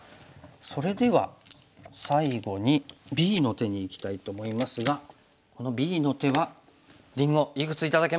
それでは最後にＢの手にいきたいと思いますがこのＢの手はりんごいくつ頂けますか？